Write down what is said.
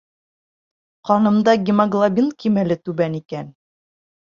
Ҡанымда гемоглобин кимәле түбән икән.